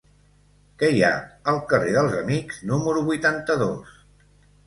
Què hi ha al carrer dels Amics número vuitanta-dos?